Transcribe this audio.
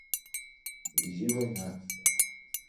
Изи война...